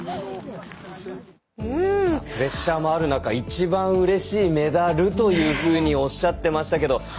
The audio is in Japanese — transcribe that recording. プレッシャーもある中一番うれしいメダルというふうにおっしゃってましたけど。